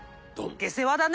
下世話だね。